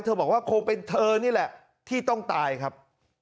บอกว่าคงเป็นเธอนี่แหละที่ต้องตายครับ